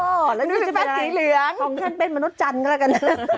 มนุษย์ไฟฟ้าสีเหลืองของฉันเป็นมนุษย์จันทร์ก็ละกัน